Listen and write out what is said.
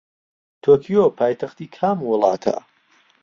تۆکیۆ پایتەختی کام وڵاتە؟